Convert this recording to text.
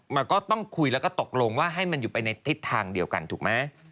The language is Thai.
มันก็ต้องคุยแล้วก็ตกลงว่าให้มันอยู่ไปในทิศทางเดียวกันถูกไหม